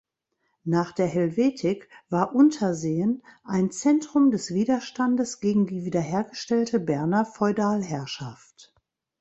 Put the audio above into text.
Nach der Helvetik war Unterseen ein Zentrum des Widerstandes gegen die wiederhergestellte Berner Feudalherrschaft.